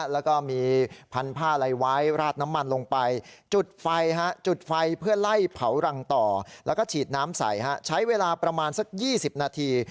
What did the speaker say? แล้วก็มีพันผ้าอะไรไว้ราดน้ำมันลงไปจุดไฟจุดไฟเพื่อไล่เผารังต่อแล้วก็ฉีดน้ำใส่ใช้เวลาประมาณสัก๒๐นาที